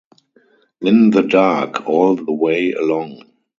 In the dark all the way along.